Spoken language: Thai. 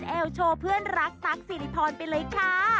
เอวโชว์เพื่อนรักตั๊กสิริพรไปเลยค่ะ